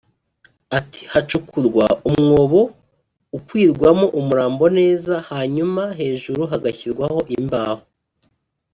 Ati “Hacukurwa umwobo ukwirwamo umurambo neza hanyuma hejuru hagashyirwaho imbaho